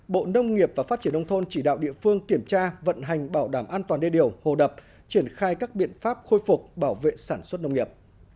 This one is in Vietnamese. bộ nông nghiệp và phát triển nông thôn chỉ đạo địa phương kiểm tra vận hành bảo đảm an toàn đê điều hồ đập triển khai các biện pháp khôi phục bảo vệ sản xuất nông nghiệp